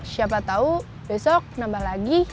siapa tahu besok nambah lagi